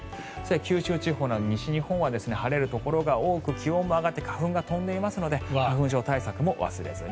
九州地方など西日本は晴れるところが多く気温も上がって花粉も飛んでいますので花粉症対策も忘れずに。